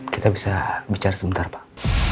kita bisa bicara sebentar pak